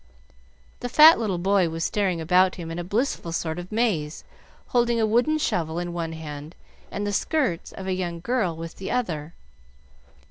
The fat little boy was staring about him in a blissful sort of maze, holding a wooden shovel in one hand and the skirts of a young girl with the other.